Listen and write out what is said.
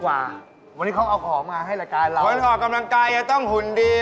วันนี้เขาเอาของมาให้รายการเราคนออกกำลังกายจะต้องหุ่นดี